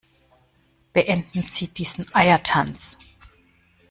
Beenden Sie diesen Eiertanz!